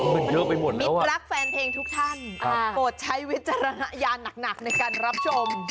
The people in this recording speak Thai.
มีลักษณ์แฟนเพลงทุกท่านโปรดใช้วิจารณายาหนักในการรับชม